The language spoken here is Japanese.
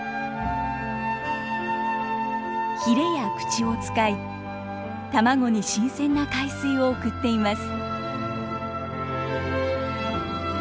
ひれや口を使い卵に新鮮な海水を送っています。